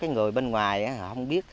người bên ngoài không biết